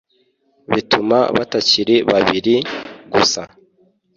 bituma batakiri babiri, gusa